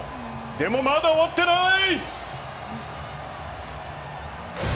でもまだ終わってない！